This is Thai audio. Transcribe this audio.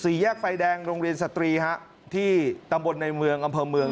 แยกไฟแดงโรงเรียนสตรีฮะที่ตำบลในเมืองอำเภอเมือง